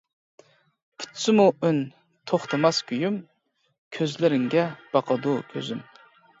پۈتسىمۇ ئۈن، توختىماس كۈيۈم، كۆزلىرىڭگە باقىدۇ كۆزۈم.